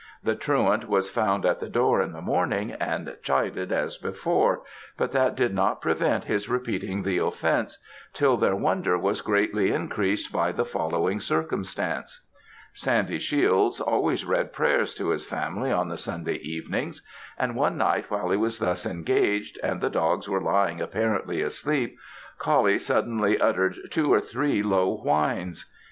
The truant was found at the door in the morning, and chided as before, but that did not prevent his repeating the offence, till their wonder was greatly increased by the following circumstance: Sandy Shiels always read prayers to his family on the Sunday evenings; and one night, while he was thus engaged, and the dogs were lying apparently asleep, Coullie suddenly uttered two or three low whines.